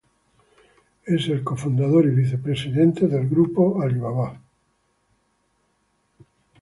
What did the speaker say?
Es el co-fundador y vicepresidente de Alibaba Group.